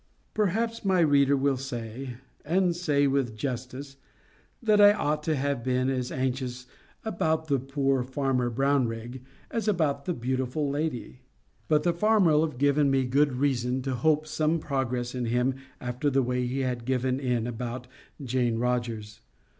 Perhaps my reader will say, and say with justice, that I ought to have been as anxious about poor Farmer Brownrigg as about the beautiful lady. But the farmer had given me good reason to hope some progress in him after the way he had given in about Jane Rogers.